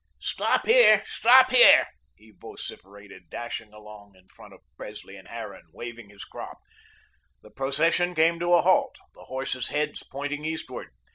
"Stop here, stop here," he vociferated, dashing along in front of Presley and Harran, waving his crop. The procession came to a halt, the horses' heads pointing eastward.